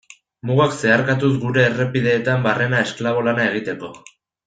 Mugak zeharkatuz gure errepideetan barrena esklabo lana egiteko.